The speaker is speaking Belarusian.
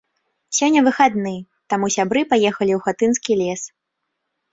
Сёння выхадны, таму сябры паехалі у хатынскі лес.